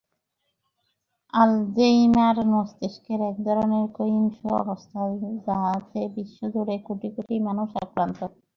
Alzheimer মস্তিষ্কের একধরনের ক্ষয়িষ্ণু অবস্থা, যাতে বিশ্বজুড়ে কোটি কোটি মানুষ আক্রান্ত।